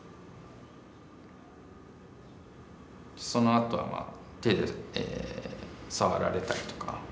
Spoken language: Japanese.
そのあとは手で触られたりとか